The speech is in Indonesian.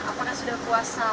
apakah sudah puasa